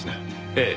ええ。